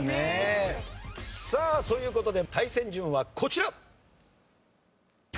さあという事で対戦順はこちら！